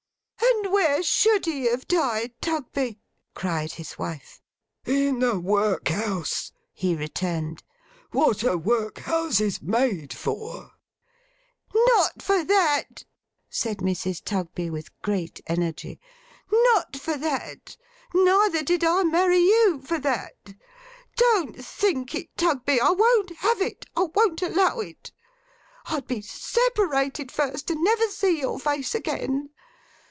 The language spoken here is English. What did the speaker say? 'And where should he have died, Tugby?' cried his wife. 'In the workhouse,' he returned. 'What are workhouses made for?' 'Not for that,' said Mrs. Tugby, with great energy. 'Not for that! Neither did I marry you for that. Don't think it, Tugby. I won't have it. I won't allow it. I'd be separated first, and never see your face again.